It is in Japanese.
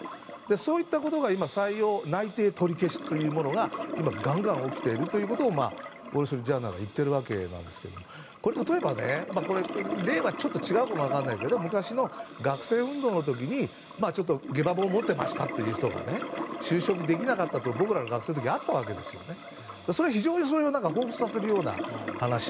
そういったことが採用内定取り消しというものがガンガン起きているということをウォール・ストリート・ジャーナルは言っているわけですがこれ、例はちょっと違うかもわからないけど昔の学生運動の時に就職できなかったことが僕らが学生の時はあったわけですが非常にそれをほうふつさせるような話。